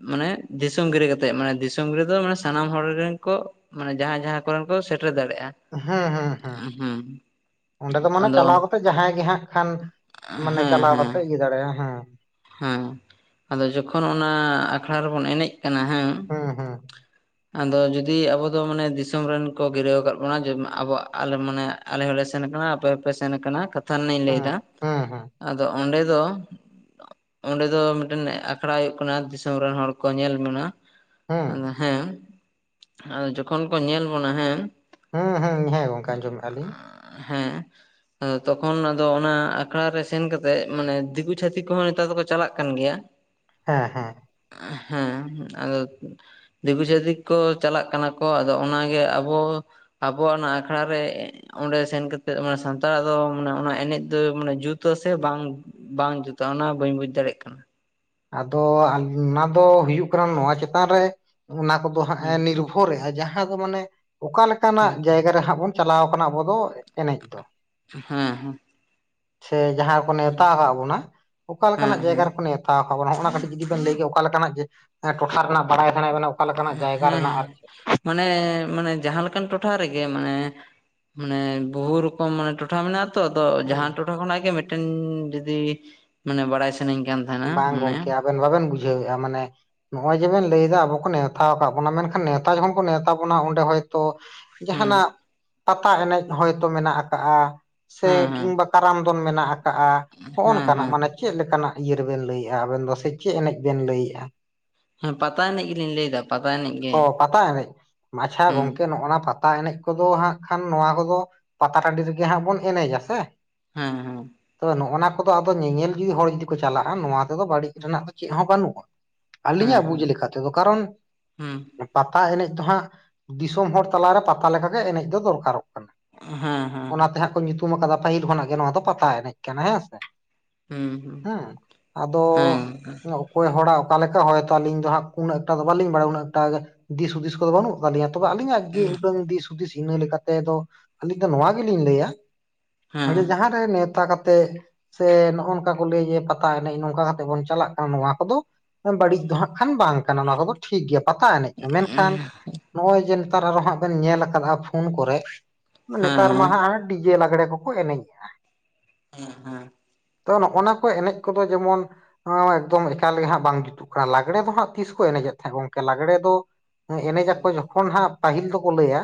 S1: ᱢᱟᱱᱮ ᱫᱤᱥᱚᱢ ᱜᱤᱨᱟᱹ ᱠᱟᱛᱮᱫ᱾ ᱢᱟᱱᱮ ᱫᱤᱥᱚᱢ ᱜᱤᱨᱟᱹ ᱫᱚ ᱢᱟᱱᱮ ᱥᱟᱱᱟᱢ ᱦᱚᱲ ᱨᱮᱱ ᱠᱚ ᱢᱟᱱᱮ ᱡᱟᱦᱟᱸ ᱡᱟᱦᱟᱸ ᱠᱚᱨᱮᱱ ᱠᱚ ᱥᱮᱴᱮᱨ ᱫᱟᱲᱮᱭᱟᱜᱼᱟ᱾
S2: ᱦᱮᱸ ᱦᱮᱸ ᱦᱮᱸ
S1: ᱦᱩᱸ [unintelligible]
S2: ᱚᱸᱰᱮ ᱫᱚ ᱢᱟᱱᱮ ᱪᱟᱞᱟᱣ ᱠᱟᱛᱮᱜ ᱡᱟᱦᱟᱸᱭ ᱜᱮ ᱦᱟᱸᱜ ᱠᱷᱟᱱ ᱢᱟᱱᱮ ᱪᱟᱞᱟᱣ ᱠᱟᱛᱮᱜ ᱤᱭᱟᱹ ᱫᱟᱲᱮᱭᱟᱜᱼᱟ ᱦᱮᱸ᱾
S1: ᱦᱩᱸ ᱟᱫᱚ ᱡᱚᱠᱷᱚᱱ ᱚᱱᱟ ᱟᱠᱷᱲᱟ ᱨᱮᱵᱚᱱ ᱮᱱᱮᱡ ᱠᱟᱱᱟ ᱦᱩᱸ ᱟᱫᱚ ᱡᱩᱫᱤ ᱟᱵᱚ ᱫᱚ ᱢᱟᱱᱮ ᱫᱤᱥᱚᱢ ᱨᱮᱱ ᱠᱚ ᱜᱤᱨᱟᱹᱣ ᱟᱠᱟᱫ ᱵᱚᱱᱟ ᱡᱮ ᱟᱵᱚᱣᱟᱜ ᱟᱞᱮ ᱢᱟᱱᱮ ᱟᱞᱮ ᱦᱚᱸᱞᱮ ᱥᱮᱱ ᱠᱟᱱᱟ ᱟᱯᱮ ᱦᱚᱸᱯᱮ ᱥᱮᱱ ᱟᱠᱟᱱᱟ ᱠᱟᱛᱷᱟ ᱨᱮᱱᱟᱜ ᱤᱧ ᱞᱟᱹᱭ
S2: ᱦᱩᱸ
S1: ᱫᱟ,
S2: ᱦᱩᱸ ᱦᱩᱸ
S1: ᱟᱫᱚ ᱚᱸᱰᱮ ᱫᱚ ᱚᱸᱰᱮ ᱫᱚ ᱢᱤᱫᱴᱮᱱ ᱟᱠᱷᱟᱲᱟ ᱦᱩᱭᱩᱜ ᱠᱟᱱᱟ ᱫᱤᱥᱚᱢ ᱨᱮᱱ ᱦᱚᱲ ᱠᱚ ᱧᱮᱞ ᱵᱚᱱᱟ᱾
S2: ᱦᱩᱸ
S1: ᱟᱫᱚ ᱦᱮᱸ ᱟᱫᱚ ᱡᱚᱠᱷᱚᱱ ᱠᱚ ᱧᱮᱞ ᱵᱚᱱᱟ ᱦᱮᱸ
S2: ᱦᱩᱸ ᱦᱩᱸ ᱦᱮᱸ, ᱜᱚᱝᱠᱮ ᱟᱸᱡᱚᱢᱮᱫᱼᱟ ᱟᱹᱞᱤᱧ
S1: ᱦᱮᱸ ᱛᱚᱠᱷᱚᱱ ᱟᱫᱚ ᱚᱱᱟ ᱟᱠᱷᱲᱟ ᱨᱮ ᱥᱮᱱ ᱠᱟᱛᱮᱜ ᱢᱟᱱᱮ ᱫᱤᱠᱩ ᱪᱷᱟᱛᱤᱠ ᱠᱚᱦᱚᱸ ᱛᱮ ᱫᱚᱠᱚ ᱪᱟᱞᱟᱜ ᱠᱟᱱ ᱜᱮᱭᱟ᱾
S2: ᱦᱮᱸ ᱦᱮᱸ᱾
S1: ᱟ ᱦᱮᱸ ᱟᱫᱚ ᱫᱤᱠᱩ ᱪᱷᱟᱹᱛᱤᱠ ᱠᱚ ᱪᱟᱞᱟᱜ ᱠᱟᱱᱟ ᱠᱚ, ᱟᱫᱚ ᱚᱱᱟᱜᱮ ᱟᱵᱚ ᱟᱵᱚᱭᱟᱜ ᱚᱱᱟ ᱟᱠᱷᱲᱟ ᱨᱮ ᱚᱸᱰᱮ ᱥᱮᱱ ᱠᱟᱛᱮᱫ ᱢᱟᱱᱮ ᱥᱟᱱᱛᱟᱲᱟᱜ ᱫᱚ ᱢᱟᱱᱮ ᱚᱱᱟ ᱮᱱᱮᱡ ᱫᱚ ᱢᱟᱱᱮ ᱡᱩᱛ-ᱟ ᱥᱮ ᱵᱟᱝ ᱵᱟᱝ ᱡᱩᱛᱼᱟ, ᱚᱱᱟ ᱵᱟᱹᱧ ᱵᱩᱡ ᱫᱟᱲᱮᱜ ᱠᱟᱱᱟ᱾
S2: ᱟᱫᱚ ᱚᱱᱟ ᱫᱚ ᱦᱩᱭᱩᱜ ᱠᱟᱱᱟ ᱱᱚᱣᱟ ᱪᱮᱛᱟᱱ ᱨᱮ ᱚᱱᱟ ᱠᱚᱫᱚ ᱦᱟᱸᱜ ᱮ ᱱᱤᱨᱵᱷᱚ ᱦᱚᱨᱮ ᱟ ᱡᱟᱦᱟᱸ ᱫᱚ ᱢᱟᱱᱮ ᱚᱠᱟ ᱞᱮᱠᱟᱱᱟᱜ
S1: ᱦᱮᱸ
S2: ᱡᱟᱭᱜᱟ ᱨᱮ ᱦᱟᱸᱜ ᱵᱚᱱ ᱪᱟᱞᱟᱣ ᱠᱟᱱᱟ ᱟᱵᱚ ᱫᱚ ᱮᱱᱮᱡ ᱫᱚ᱾
S1: ᱦᱮᱸ ᱦᱮᱸ᱾
S2: ᱥᱮ ᱡᱟᱦᱟᱸ ᱨᱮᱠᱚ ᱱᱮᱸᱣᱛᱟ ᱟᱠᱟᱫ ᱵᱚᱱᱟ, ᱚᱠᱟ
S1: ᱦᱮᱸ
S2: ᱞᱮᱠᱟᱱᱟᱜ
S1: ᱦᱮᱸ
S2: ᱡᱟᱭᱜᱟ ᱨᱮᱠᱚ ᱱᱮᱸᱣ ᱛᱟᱣ ᱠᱟᱜᱵᱚᱱᱟ ᱦᱚᱸᱜ-ᱚᱱᱟ ᱠᱟᱹᱴᱤᱡ ᱡᱩᱫᱤ ᱵᱮᱱ ᱞᱟᱹᱭ ᱠᱮ ᱚᱠᱟ ᱞᱮᱠᱟᱱᱟᱜ ᱡᱮ ᱮᱸ ᱴᱚᱴᱷᱟ ᱨᱮᱱᱟᱜ ᱵᱟᱲᱟᱭ ᱥᱟᱱᱟᱭᱮᱫ ᱵᱮᱱᱟ, ᱚᱠᱟ ᱞᱮᱠᱟᱱᱟᱜ ᱡᱟᱭᱜᱟ
S1: ᱦᱮᱸ
S2: ᱨᱮᱱᱟᱜ
S1: ᱦᱮᱸ
S2: ᱟᱨ ᱪᱮᱫ?
S1: ᱢᱟᱱᱮ ᱢᱟᱱᱮ ᱡᱟᱦᱟᱸ ᱞᱮᱠᱟᱱ ᱴᱚᱴᱷᱟ ᱨᱮᱜᱮ ᱢᱟᱱᱮ ᱢᱟᱱᱮ ᱵᱚᱦᱩ ᱨᱚ ᱠᱟ ᱢᱟᱱᱮ ᱴᱚᱴᱷᱟ ᱢᱮᱱᱟᱜ ᱛᱚ, ᱟᱫᱚ
S2: ᱦᱩᱸ
S1: ᱡᱟᱦᱟᱸᱱ ᱴᱚᱴᱷᱟ ᱠᱷᱚᱱᱟᱜ ᱜᱮ ᱢᱤᱫᱴᱮᱱ ᱡᱩᱫᱤ ᱢᱟᱱᱮ ᱵᱟᱲᱟᱭ ᱥᱟ ᱥᱟᱱᱟᱹᱧ ᱠᱟᱱ ᱛᱟᱦᱮᱸᱫ᱾
S2: ᱵᱟᱝ ᱜᱚᱝᱠᱮ ᱟᱵᱮᱱ ᱵᱟᱵᱮᱱ ᱵᱩᱡᱷᱟᱹᱣᱮᱫᱼᱟ ᱢᱟᱱᱮ ᱱᱚᱜᱼᱚᱭ ᱡᱮᱵᱮᱱ ᱞᱟᱹᱭᱫᱟ ᱟᱵᱚ ᱠᱚ ᱱᱮᱣᱛᱟ ᱟᱠᱟᱫ ᱵᱚᱱᱟ, ᱢᱮᱱᱠᱷᱟᱱ ᱱᱮᱶᱛᱟ ᱡᱚᱠᱷᱚᱱ ᱠᱚ ᱱᱮᱶᱛᱟ ᱵᱚᱱᱟ ᱚᱸᱰᱮ ᱦᱚᱭᱛᱳ
S1: ᱦᱮᱸ
S2: ᱡᱟᱦᱟᱱᱟᱜ ᱯᱟᱛᱟ ᱮᱱᱮᱡ ᱦᱚᱭᱛᱚ ᱢᱮᱱᱟᱜ ᱟᱠᱟᱜᱼᱟ ᱥᱮ
S1: ᱦᱮᱸ ᱦᱮᱸ
S2: ᱠᱤᱝᱵᱟ ᱠᱟᱨᱟᱢ ᱫᱚᱱ ᱢᱮᱱᱟᱜ ᱟᱠᱟᱜᱼᱟ ᱦᱚᱜᱼᱚ
S1: ᱦᱮᱸ
S2: ᱱᱚᱝᱠᱟᱱᱟᱜ᱾
S1: ᱦᱮᱸ
S2: ᱢᱟᱱᱮ ᱪᱮᱫ ᱞᱮᱠᱟᱱᱟᱜ ᱤᱭᱟᱹ ᱨᱮᱵᱮᱱ ᱞᱟᱹᱭᱮᱫᱼᱟ ᱟᱵᱮᱱ ᱫᱚ ᱥᱮ ᱪᱮᱫ ᱮᱱᱮᱡ ᱵᱮᱱ ᱞᱟᱹᱭᱮᱜᱼᱟ?
S1: ᱦᱮᱸ ᱯᱟᱛᱟ ᱮᱱᱮᱡ ᱜᱮᱞᱤᱧ ᱞᱟᱹᱭᱫᱟ ᱯᱟᱛᱟ ᱮᱱᱮᱡ ᱜᱮ
S2: ᱚ ᱯᱟᱛᱟ ᱮᱱᱮᱡ ᱟᱪᱪᱷᱟ
S1: ᱦᱩᱸ
S2: ᱜᱚᱝᱠᱮ ᱱᱚᱜᱼᱚᱱᱟ ᱯᱟᱛ ᱯᱟᱛᱟ ᱮᱱᱮᱡ ᱠᱚᱫᱚ ᱦᱟᱸᱜ ᱠᱷᱟᱱ ᱱᱚᱣᱟ ᱠᱚᱫᱚ ᱯᱟᱛᱟ ᱴᱟᱺᱰᱤ ᱨᱮᱜᱮ ᱦᱟᱸᱜ ᱵᱚᱱ ᱮᱱᱮᱡᱟ ᱥᱮ᱾
S1: ᱦᱮᱸ ᱦᱮᱸ
S2: ᱛᱚ ᱱᱚᱜ-ᱚᱱᱟ ᱠᱚᱫᱚ ᱟᱫᱚ ᱧᱮᱧᱮᱞ ᱡᱩᱫᱤ ᱦᱚᱲ ᱡᱩᱫᱤ ᱠᱚ ᱪᱟᱞᱟᱜᱼᱟ, ᱱᱚᱣᱟ ᱛᱮᱫᱚ ᱵᱟᱹᱲᱤᱡ ᱨᱮᱱᱟᱜ ᱫᱚ ᱪᱮᱫ ᱦᱚᱸ ᱵᱟᱹᱱᱩᱜᱼᱟ᱾
S1: ᱦᱮᱸ
S2: ᱟᱹᱞᱤᱧᱟᱜ ᱵᱩᱡᱽ
S1: ᱦᱮᱸ
S2: ᱞᱮᱠᱟ ᱛᱮᱫᱚ ᱠᱟᱨᱚᱱ
S1: ᱦᱩᱸ
S2: ᱯᱟᱛᱟ ᱮᱱᱮᱡ ᱫᱚ ᱦᱟᱸᱜ, ᱫᱤᱥᱚᱢ ᱦᱚᱲ ᱛᱟᱞᱟᱨᱮ ᱯᱟᱛᱟ ᱞᱮᱠᱟᱜᱮ ᱮᱱᱮᱡ ᱫᱚ ᱫᱚᱨᱠᱟᱨᱚᱜ ᱠᱟᱱᱟ᱾
S1: ᱦᱮᱸ ᱦᱮᱸ
S2: ᱚᱱᱟᱛᱮ ᱦᱟᱸᱜ ᱠᱚ ᱧᱩᱛᱩᱢᱟᱠᱟᱫᱟ ᱯᱟᱹᱦᱤᱞ ᱠᱷᱚᱱᱟᱜ ᱜᱮ ᱱᱚᱣᱟ ᱫᱚ ᱯᱟᱛᱟ ᱮᱱᱮᱡ ᱠᱟᱱᱟ ᱦᱮᱸ ᱥᱮ᱾
S1: ᱦᱩ᱾
S2: ᱦᱮᱸ ᱟᱫᱚ ᱚᱠᱚᱭ ᱦᱚᱲᱟᱜ ᱚᱠᱟ ᱞᱮᱠᱟ, ᱦᱚᱭᱛᱚ ᱟᱧᱤᱧ ᱫᱚ ᱦᱟᱸᱜ ᱩᱱᱟᱹᱜ ᱮᱠᱴᱟ ᱫᱚ ᱵᱟᱞᱤᱧ ᱵᱟᱲᱟ ᱩᱱᱟᱹ ᱮᱠᱴᱟ ᱜᱮ ᱫᱤᱥ ᱦᱩᱫᱤᱥ ᱠᱚ ᱵᱟᱹᱱᱩᱜ ᱛᱟᱞᱤᱧᱟ ᱛᱚᱵᱮ ᱟᱹᱞᱤᱧᱟᱜ ᱡᱮ ᱩᱰᱟᱹᱝ ᱫᱤᱥ ᱦᱩᱫᱤᱥ ᱤᱱᱟᱹ ᱞᱮᱠᱟᱛᱮ ᱫᱚ, ᱟᱹᱞᱤᱧ ᱫᱚ ᱱᱚᱣᱟ ᱜᱮᱞᱤᱧ ᱞᱟᱹᱭᱟ
S1: ᱦᱮᱸ
S2: ᱡᱮ ᱡᱟᱦᱟᱸᱨᱮ ᱱᱮᱶᱛᱟ ᱠᱟᱛᱮ ᱥᱮ ᱱᱚᱜᱼᱚᱱᱠᱟᱱ ᱠᱚ ᱞᱟᱹᱭ ᱡᱮ ᱯᱟᱛᱟ ᱮᱱᱮᱡ, ᱱᱚᱝᱠᱟ ᱠᱟᱛᱮᱜ ᱵᱚᱱ ᱪᱟᱞᱟᱜ ᱠᱟᱱᱟ ᱱᱚᱣᱟ ᱠᱚᱫᱚ ᱵᱟᱹᱲᱤᱡ ᱫᱚ ᱦᱟᱸᱜ ᱠᱷᱟᱱ ᱵᱟᱝ ᱠᱟᱱᱟ ᱱᱚᱣᱟ ᱠᱚᱫᱚ ᱴᱷᱤᱠ ᱜᱮᱭᱟ ᱯᱟᱛᱟ ᱮᱱᱮᱡ ᱫᱚ᱾ ᱢᱮᱱᱠᱷᱟᱱ ᱱᱚᱜᱼᱚᱭ ᱡᱮ ᱛᱟᱨ ᱟᱨᱚ ᱦᱟᱸᱜ ᱵᱮᱱ ᱧᱮᱞ ᱟᱠᱟᱫ-ᱟ ᱯᱷᱳᱱ ᱠᱚᱨᱮᱜ᱾
S1: ᱦᱮᱸ
S2: ᱱᱮᱛᱟᱨ ᱢᱟ ᱦᱟᱸᱜ ᱰᱤ ᱡᱮ ᱞᱟᱜᱽᱲᱮ ᱠᱚᱠᱚ ᱮᱱᱮᱡᱮᱜᱼᱟ᱾
S1: ᱦᱮᱸ ᱦᱮᱸ᱾
S2: ᱛᱚ ᱱᱚᱜᱼᱚᱱᱟ ᱠᱚ ᱮᱱᱮᱡ ᱠᱚᱫᱚ ᱡᱮᱢᱚᱱ ᱱᱟᱣᱟᱢᱟ ᱮᱠᱫᱚᱢ ᱮᱠᱟᱞᱜᱮ ᱜᱮ ᱦᱟᱸᱜ ᱵᱟᱝ ᱡᱩᱛᱩᱜ ᱠᱟᱱᱟ᱾ ᱞᱟᱜᱽᱲᱮ ᱫᱚ ᱦᱟᱸᱜ ᱛᱤᱥ ᱠᱚ ᱮᱱᱮᱡᱮᱫ ᱛᱟᱦᱮᱸᱜ ᱜᱚᱝᱠᱮ ᱞᱟᱜᱽᱲᱮ ᱫᱚ ᱮᱱᱮᱡ ᱟᱠᱚ
S1: ᱦᱩᱸ
S2: ᱡᱚᱠᱷᱚᱱ ᱦᱟᱸᱜ ᱯᱟᱹᱦᱤᱞ ᱫᱚᱠᱚ ᱞᱟᱹᱭᱟ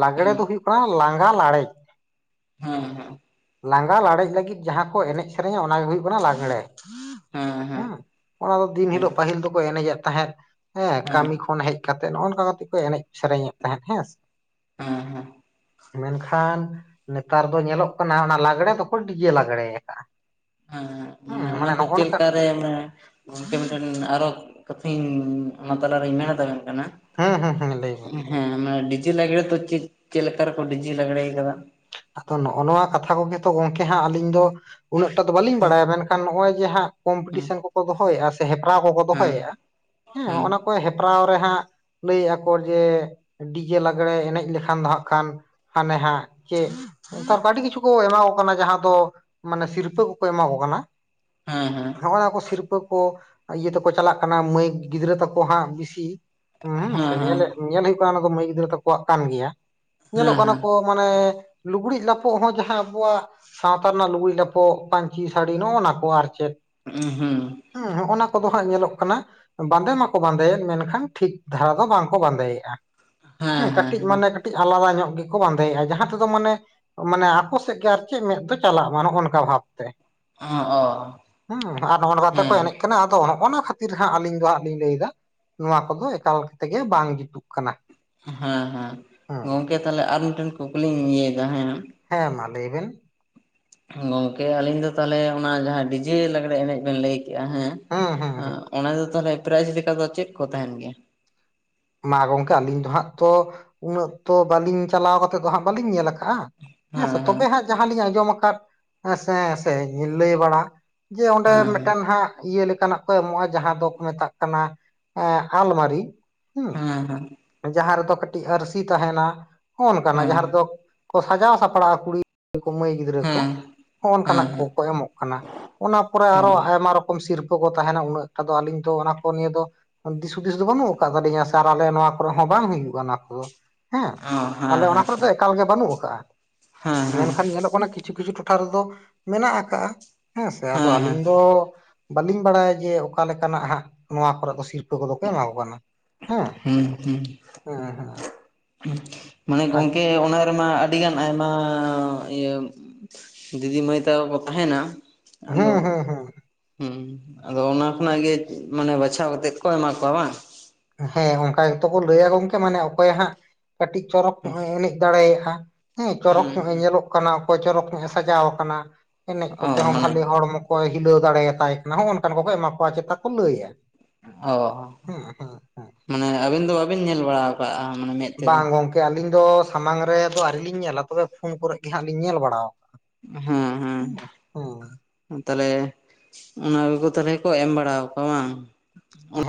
S2: ᱞᱟᱜᱽᱲᱮ ᱫᱚ ᱦᱩᱭᱩᱜ ᱠᱟᱱᱟ ᱞᱟᱸᱜᱟ ᱞᱟᱲᱮᱡ᱾
S1: ᱦᱮᱸ ᱦᱮᱸ᱾
S2: ᱞᱟᱸᱜᱟ ᱞᱟᱲᱮᱡ ᱞᱟᱹᱜᱤᱫ ᱡᱟᱦᱟᱸ ᱠᱚ ᱮᱱᱮᱡ ᱥᱮᱨᱮᱧᱟ ᱚᱱᱟ ᱜᱮ ᱦᱩᱭᱩᱜ ᱠᱟᱱᱟ ᱞᱟᱜᱽᱲᱮ᱾ ᱦᱮᱸ᱾ ᱚᱱᱟ ᱫᱚ ᱫᱤᱱ
S1: ᱦᱮᱸ
S2: ᱦᱤᱞᱳᱜ
S1: ᱦᱮᱸ ᱦᱮᱸ
S2: ᱯᱟᱹᱦᱤᱞ ᱫᱚᱠᱚ ᱮᱱᱮᱡᱮᱫ ᱛᱟᱦᱮᱸᱫ᱾ ᱦᱮᱸ ᱠᱟᱹᱢᱤ
S1: ᱦᱮᱸ
S2: ᱠᱷᱚᱱ ᱦᱮᱡ ᱠᱟᱛᱮᱫ ᱱᱚᱜᱼᱚ ᱱᱱᱠᱟ ᱠᱟᱛᱮᱫ ᱠᱚ ᱮᱱᱮᱡ ᱥᱮᱨᱮᱧᱮᱫ ᱛᱟᱦᱮᱸᱱ ᱦᱮᱸᱥᱮ᱾
S1: ᱦᱮᱸ ᱦᱮᱸ ᱾
S2: ᱢᱮᱱᱠᱷᱟᱱ ᱱᱮᱛᱟᱨ ᱫᱚ ᱧᱮᱞᱚᱜ ᱠᱟᱱᱟ ᱚᱱᱟ ᱞᱟᱜᱽᱬᱮ ᱫᱚᱠᱚ ᱰᱤ ᱡᱮ ᱞᱟᱜᱽᱲᱮ ᱟᱠᱟᱫᱼᱟ ᱾
S1: ᱦᱮᱸ ᱢᱟᱱᱮ ᱚᱱᱟ ᱫᱚ ᱪᱮᱫ ᱞᱮᱠᱟ ᱨᱮ ᱢᱢ ᱜᱚᱝᱠᱮ ᱢᱤᱫᱴᱮᱱ ᱟᱨᱚ ᱠᱟᱛᱷᱟᱧ ᱚᱱᱟ ᱛᱟᱞᱟᱨᱤᱧ ᱢᱮᱱ ᱛᱟᱵᱮᱱ ᱠᱟᱱᱟ
S2: ᱦᱢ ᱦᱢ ᱦᱢ ᱞᱟᱹᱭ ᱵᱤᱱ ᱾
S1: ᱦᱮᱸ ᱢᱟᱱᱮ ᱰᱤ ᱡᱮ ᱞᱟᱜᱽᱬᱮ ᱫᱚ ᱪᱮᱫ ᱞᱮᱠᱟ ᱨᱮᱠᱚ ᱰᱤ ᱡᱮ ᱞᱟᱜᱽᱬᱮ ᱟᱠᱟᱫᱟ?
S2: ᱟᱫᱚ ᱱᱚᱜ ᱱᱚᱣᱟ ᱠᱟᱛᱷᱟ ᱠᱚᱜᱮ ᱛᱚ ᱜᱚᱝᱠᱮ ᱦᱟᱸᱜ ᱟᱹᱞᱤᱧ ᱫᱚ ᱩᱱᱟᱹᱜ ᱴᱟ ᱫᱚ ᱵᱟᱹᱞᱤᱧ
S1: ᱦᱮᱸ
S2: ᱵᱟᱲᱟᱭᱟ ᱢᱮᱱᱠᱷᱟᱱ ᱱᱚᱜᱼᱚᱭ ᱡᱮ ᱦᱟᱸᱜ
S1: ᱦᱮᱸ
S2: ᱠᱚᱢᱯᱤᱴᱤᱥᱚᱱ ᱠᱚᱠᱚ ᱫᱚᱦᱚᱭᱮᱜᱼᱟ ᱥᱮ ᱦᱮᱯᱨᱟᱣ ᱠᱚᱠᱚ
S1: ᱦᱮᱸ
S2: ᱫᱚᱦᱚᱭᱮᱜᱼᱟ ᱦᱮᱸ ᱚᱱᱟ ᱠᱚ ᱦᱮᱯᱨᱟᱣ ᱨᱮᱦᱟᱸᱜ ᱞᱟᱹᱭᱮᱫ ᱟᱠᱚ ᱡᱮ ᱰᱤ ᱡᱮ ᱞᱟᱜᱽᱬᱮ ᱮᱱᱮᱡ ᱞᱮᱠᱷᱟᱱ ᱫᱚ ᱦᱟᱸᱜ ᱠᱷᱟᱱ ᱦᱟᱱᱮ ᱦᱟᱸᱜ ᱪᱮ ᱱᱮᱛᱟᱨ ᱫᱚ ᱟᱹᱰᱤ ᱠᱤᱪᱷᱩ ᱠᱚ ᱮᱢᱟ ᱠᱚ ᱠᱟᱱᱟ ᱡᱟᱦᱟᱸ ᱫᱚ ᱢᱟᱱᱮ ᱥᱤᱨᱯᱷᱟᱹ ᱠᱚᱠᱚ ᱮᱢᱟ ᱠᱚ ᱠᱟᱱᱟ
S1: ᱦᱮᱸ ᱦᱮᱸ ᱾
S2: ᱱᱚᱜᱼᱚᱭ ᱱᱚᱣᱟ ᱠᱚ ᱥᱤᱨᱯᱷᱟᱹ ᱠᱚ ᱤᱭᱟᱹ ᱛᱮᱠᱚ ᱪᱟᱞᱟᱜ ᱠᱟᱱᱟ ᱢᱟᱹᱭ ᱜᱤᱫᱽᱨᱟᱹ ᱛᱟᱠᱚ ᱦᱟᱸᱜ ᱵᱤᱥᱤ ᱦᱩᱸ ᱥᱮ
S1: ᱦᱮᱸ ᱦᱮᱸ
S2: ᱧᱮᱞᱧᱜ ᱧᱮᱞ ᱦᱩᱭᱩᱜ ᱠᱟᱱᱟ ᱱᱟᱣᱟ ᱫᱚ ᱢᱟᱹᱭ ᱜᱤᱫᱽᱨᱟᱹ ᱛᱟᱠᱚᱣᱟᱜ ᱠᱟᱱ ᱜᱮᱭᱟ
S1: ᱦᱮᱸ
S2: ᱧᱮᱞᱚᱜ ᱠᱟᱱᱟ
S1: ᱦᱮᱸ
S2: ᱠᱚ ᱢᱟᱱᱮ ᱞᱩᱜᱽᱲᱤᱡ ᱞᱟᱯᱚᱹᱜ ᱦᱚᱸ ᱡᱟᱦᱟᱸ ᱟᱵᱚᱣᱟᱜ ᱥᱟᱶᱛᱟ ᱨᱮᱱᱟᱜ ᱞᱩᱜᱽᱲᱤ ᱞᱟᱯᱚᱹᱜ ᱯᱟᱧᱪᱤ ᱥᱟᱹᱲᱤ ᱱᱚᱜᱼᱚ ᱱᱟᱠᱚ ᱟᱨ ᱪᱮᱫ
S1: ᱦᱩᱸ ᱾
S2: ᱦᱮᱸ ᱱᱚᱜᱱᱟ ᱠᱚᱫᱚ ᱦᱟᱸᱜ ᱧᱮᱞᱚᱜ ᱠᱟᱱᱟ ᱵᱟᱸᱫᱮ ᱢᱟᱠᱚ ᱵᱟᱸᱫᱮᱭᱮᱫ ᱢᱮᱱᱠᱷᱟᱱ ᱴᱷᱤᱠ ᱫᱷᱟᱨᱟ ᱫᱚ ᱵᱟᱝᱠᱚ ᱵᱟᱸᱫᱮᱭᱮᱫᱼᱟ, ᱦᱮᱸ ᱠᱟᱹᱴᱤᱡ ᱢᱟᱱᱮ ᱠᱟᱹᱴᱤᱡ ᱟᱞᱟᱫᱟ ᱧᱚᱜ ᱜᱮᱠᱚ ᱵᱟᱸᱫᱮᱭᱮᱜᱼᱟ ᱡᱟᱦᱟᱸ ᱛᱮᱫᱚ ᱢᱟᱱᱮ ᱢᱟᱱᱮ ᱟᱠᱚ ᱥᱮᱫ ᱜᱮ ᱟᱨ ᱪᱮᱫ ᱢᱮᱫ ᱫᱚ ᱪᱟᱞᱟᱜ ᱢᱟ ᱱᱚᱜᱼᱚ ᱱᱚᱝᱠᱟ ᱵᱷᱟᱵᱽᱛᱮ ᱾
S1: ᱚ
S2: ᱦᱩᱸ ᱟᱨ ᱱᱚᱜ-ᱚ ᱱᱚᱝᱠᱟᱛᱮ ᱠᱚ
S1: ᱦᱮᱸ
S2: ᱮᱱᱮᱡ ᱠᱟᱱᱟ ᱟᱫᱚ ᱱᱚᱜᱼᱚᱱᱟ ᱠᱷᱟᱛ ᱠᱷᱟᱹᱛᱤᱨ ᱦᱟᱸᱜ ᱟᱹᱞᱤᱧ ᱫᱚ ᱦᱟᱸᱜ ᱞᱤᱧ ᱞᱟᱹᱭᱫᱟ ᱱᱚᱣᱟ ᱠᱚᱫᱚ ᱮᱠᱟᱞ ᱛᱮᱜᱮ ᱵᱟᱝ ᱡᱩᱛᱩᱜ ᱠᱟᱱᱟ ᱾
S1: ᱦᱮᱸ ᱦᱮᱸ ᱜᱚᱝᱠᱮ ᱛᱟᱦᱚᱞᱮ ᱟᱨ ᱢᱤᱫᱴᱮᱱ ᱠᱩᱠᱞᱤᱧ ᱤᱭᱟᱹᱭ ᱮᱫᱟ ᱦᱮᱸ ᱾
S2: ᱦᱮᱸ ᱢᱟ ᱞᱟᱹᱭᱵᱮᱱ ᱾
S1: ᱜᱚᱝᱠᱮ ᱟᱹᱞᱤᱧ ᱫᱚ ᱛᱟᱦᱚᱞᱮ ᱚᱱᱟ ᱡᱟᱦᱟᱸ ᱰᱤ ᱡᱮ ᱞᱟᱜᱽᱬᱮ ᱮᱱᱮᱡ ᱵᱮᱱ ᱞᱟᱹᱭ ᱠᱮᱜᱼᱟ ᱦᱮᱸ
S2: ᱦᱩᱸ ᱦᱩᱸ ᱾
S1: ᱚᱱᱟ ᱫᱚ ᱛᱟᱦᱚᱞᱮ ᱯᱨᱟᱭᱤᱡᱽ ᱞᱮᱠᱟ ᱫᱚ ᱪᱮᱫ ᱠᱚ ᱛᱟᱦᱮᱱ ᱜᱮᱭᱟ?
S2: ᱢᱟ ᱜᱚᱝᱠᱮ ᱟᱹᱞᱤᱧ ᱫᱚ ᱦᱟᱸᱜ ᱛᱚ ᱩᱱᱟᱹᱜ ᱛᱚ ᱵᱟᱹᱞᱤᱧ ᱪᱟᱞᱟᱣ ᱠᱟᱛᱮᱜ ᱫᱚ ᱦᱟᱸᱜ ᱵᱟᱹᱞᱤᱧ ᱧᱮᱞ ᱠᱟᱜᱼᱟ,
S1: ᱦᱮᱸ
S2: ᱦᱮᱸᱥᱮ
S1: ᱦᱮᱸ
S2: ᱛᱚᱵᱮ ᱦᱟᱸᱜ ᱡᱟᱦᱟᱸ ᱞᱤᱧ ᱟᱸᱡᱚᱢ ᱟᱠᱟᱫ ᱦᱮᱸᱥᱮ ᱥᱮ ᱞᱟᱹᱭ ᱵᱟᱲᱟ ᱡᱮ ᱚᱸᱰᱮ
S1: ᱦᱮᱸ ᱦᱮᱸ
S2: ᱢᱮᱫᱴᱮᱱ ᱦᱟᱸᱜ ᱤᱭᱟᱹ ᱞᱮᱠᱟᱱᱟᱜ ᱠᱚ ᱮᱢᱚᱜᱼᱟ ᱡᱟᱦᱟᱸ ᱫᱚᱠᱚ ᱢᱮᱛᱟᱜ ᱠᱟᱱᱟ ᱮᱸ ᱟᱞᱢᱟᱨᱤ ᱦᱩᱸ
S1: ᱦᱮᱸ
S2: ᱡᱟᱦᱟᱸ ᱨᱮᱫᱚ ᱠᱟᱹᱴᱤᱡ ᱟᱹᱨᱥᱤ ᱛᱟᱦᱮᱱᱟ ᱚᱱᱠᱟᱱᱟᱜ
S1: ᱦᱮᱸ
S2: ᱡᱟᱦᱟᱸ ᱨᱮᱫᱚ ᱠᱚ ᱥᱟᱡᱟᱣ ᱥᱟᱯᱲᱟᱣᱟ ᱠᱩᱲᱤ ᱢᱟᱹᱭ ᱜᱤᱫᱽᱨᱟᱹ
S1: ᱦᱮᱸ
S2: ᱠᱚ
S1: ᱦᱮᱸ
S2: ᱦᱚᱸᱜ
S1: ᱦᱮᱸ
S2: ᱚᱱᱠᱟᱱᱟᱜ
S1: ᱦᱮᱸ
S2: ᱠᱚᱠᱚ ᱮᱢᱚᱜ ᱠᱟᱱᱟ ᱾ ᱚᱱᱟ ᱯᱚᱨᱮ
S1: ᱚ
S2: ᱟᱨᱚ ᱟᱭᱢᱟ ᱨᱚᱠᱚᱢ ᱥᱤᱨᱯᱷᱟᱹ ᱠᱚ ᱛᱟᱦᱮᱱᱟ ᱩᱱᱟᱹᱜ ᱮᱠᱴᱟ ᱫᱚ ᱟᱹᱞᱤᱧ ᱫᱚ ᱚᱱᱟ ᱠᱚ ᱱᱤᱭᱮ ᱫᱚ ᱫᱤᱥ ᱦᱩᱫᱤᱥ ᱫᱚ ᱵᱟᱹᱱᱩᱜ ᱟᱠᱟᱫ ᱛᱟᱞᱤᱧᱟ ᱥᱮ ᱟᱨ ᱟᱞᱮ ᱱᱚᱣᱟ ᱠᱚᱨᱮ ᱦᱚᱸ ᱵᱟᱝ ᱦᱩᱭᱩᱜᱼᱟ ᱚᱱᱟ ᱠᱚᱫᱚ ᱦᱮᱸ
S1: ᱦᱮᱸ
S2: ᱟᱞᱮ
S1: ᱦᱮᱸ
S2: ᱚᱱᱟ ᱠᱚᱨᱮ ᱫᱚ ᱮᱠᱟᱞ ᱜᱮ ᱵᱟᱹᱱᱩᱜ ᱟᱠᱟᱜᱼᱟ
S1: ᱦᱮᱸ ᱦᱮᱸ
S2: ᱢᱮᱱᱠᱷᱟᱱ ᱧᱮᱞᱚᱜ ᱠᱟᱱᱟ ᱠᱤᱪᱷᱩ ᱠᱤᱪᱷᱩ ᱴᱚᱴᱷᱟ ᱨᱮᱫᱚ ᱢᱮᱱᱟᱜ ᱟᱠᱟᱜᱼᱟ ᱦᱮᱸᱥᱮ ᱟᱫᱚ
S1: ᱦᱮᱸ ᱦᱮᱸ
S2: ᱟᱹᱞᱤᱧ ᱫᱚ ᱵᱟᱹᱞᱤᱧ ᱵᱟᱲᱟᱭᱟ ᱡᱮ ᱚᱠᱟ ᱞᱮᱠᱟᱱᱟᱜ ᱦᱟᱸᱜ ᱱᱚᱣᱟ ᱠᱚᱨᱮ ᱠᱚ ᱥᱤᱨᱯᱷᱟᱹ ᱠᱚᱫᱚ ᱠᱚ ᱮᱢᱟ ᱠᱚ ᱠᱟᱱᱟ ᱦᱮᱸ ᱾
S1: ᱦᱩᱸ ᱦᱩᱸ ᱾
S2: ᱦᱮᱸ ᱦᱮᱸ ᱾
S1: ᱢᱟᱱᱮ ᱜᱚᱝᱠᱮ ᱚᱱᱟ ᱨᱮᱢᱟ ᱟᱨ ᱟᱹᱰᱤ ᱜᱟᱱ ᱟᱭᱢᱟ ᱤᱭᱟᱹ ᱫᱤᱫᱤ, ᱢᱟᱹᱭ ᱛᱟᱠᱚ ᱠᱚ ᱛᱟᱦᱮᱱᱟ ᱟᱫᱚ
S2: ᱦᱩᱸ ᱦᱩᱸ ᱦᱩᱸ
S1: ᱦᱩᱸ ᱟᱫᱚ ᱚᱱᱟ ᱠᱷᱚᱱᱟᱜ ᱜᱮ ᱢᱟᱱᱮ ᱵᱟᱪᱷᱟᱣ ᱠᱟᱛᱮᱫ ᱠᱚ ᱮᱢᱟ ᱠᱚᱣᱟ ᱵᱟᱝ?
S2: ᱦᱮᱸ ᱚᱱᱠᱟ ᱜᱮᱛᱚ ᱠᱚ ᱞᱟᱹᱭᱟ
S1: ᱦᱩᱸ
S2: ᱜᱚᱝᱠᱮ ᱢᱟᱱᱮ ᱚᱠᱚᱭ ᱦᱟᱸᱜ ᱠᱟᱹᱴᱤᱡ ᱪᱚᱨᱚᱠ ᱧᱚᱜ ᱮ ᱮᱱᱮᱡ ᱫᱟᱲᱮᱭᱟᱜᱼᱟ ᱾ ᱦᱮᱸ ᱪᱚᱨᱚᱠ
S1: ᱦᱩᱸ
S2: ᱧᱚᱜ ᱮ
S1: ᱦᱩᱸ
S2: ᱧᱮᱞᱚᱜ ᱠᱟᱱᱟ ᱚᱠᱚᱭ ᱪᱚᱨᱚᱠ ᱧᱚᱜ ᱮ ᱥᱟᱡᱟᱣ ᱠᱟᱱᱟ ᱮᱱᱮᱡ
S1: ᱚ
S2: ᱠᱚᱛᱮ ᱦᱚᱸ
S1: ᱢᱟᱱᱮ
S2: ᱵᱷᱟᱞᱮ ᱦᱚᱲᱢᱚ ᱚᱠᱚᱭ ᱦᱤᱞᱟᱹᱣ ᱫᱟᱲᱮᱭᱟᱛᱟᱭ ᱠᱟᱱᱟ ᱦᱚᱸᱜ ᱚᱱᱠᱟᱱ ᱠᱚᱠᱚ ᱮᱢᱟ ᱠᱚᱣᱟ ᱪᱮᱛᱟ ᱠᱚ ᱞᱟᱹᱭᱟ ᱾
S1: ᱚ ᱢᱟᱱᱮ ᱟᱹᱵᱤᱱ ᱫᱚ ᱵᱟᱵᱮᱱ ᱧᱮᱞ ᱵᱟᱲᱟᱣ ᱠᱟᱜᱼᱟ ᱢᱟᱱᱮ ᱢᱮᱫ ᱛᱮᱫᱚ
S2: ᱵᱟᱝ ᱜᱚᱝᱠᱮ ᱟᱹᱞᱤᱧ ᱫᱚ ᱥᱟᱢᱟᱝ ᱨᱮᱫᱚ ᱟᱹᱣᱨᱤ ᱞᱤᱧ ᱧᱮᱞᱟ ᱛᱚᱵᱮ ᱯᱷᱳᱱ ᱠᱚᱨᱮᱜ ᱜᱮ ᱦᱟᱸᱜ ᱞᱤᱧ ᱧᱮᱞ ᱵᱟᱲᱟᱣ
S1: ᱦᱮᱸ ᱦᱮᱸ
S2: ᱦᱩᱸᱜ ᱦᱩᱸ᱾
S1: ᱛᱟᱦᱚᱞᱮ ᱚᱱᱟ ᱠᱚᱠᱚ ᱛᱟᱦᱚᱞᱮ ᱠᱚ ᱮᱢ ᱵᱟᱲᱟᱣ ᱠᱚᱣᱟ ᱵᱟᱝ?
S2: ᱦᱮᱸ